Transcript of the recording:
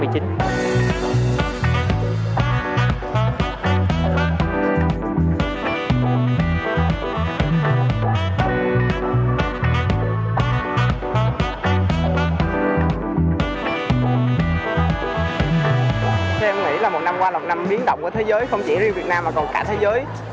thế em nghĩ là một năm qua là một năm biến động của thế giới không chỉ riêng việt nam mà còn cả thế giới